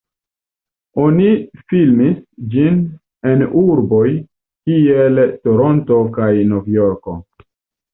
Oni filmis ĝin en urboj kiel Toronto kaj Nov-Jorko.